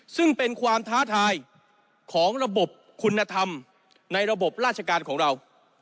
ซึ่งเป็นความท้าทายของระบบคุณธรรมในระบบราชการของเรา